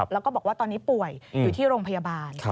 แล้วก็บอกว่าตอนนี้ป่วยอยู่ที่โรงพยาบาล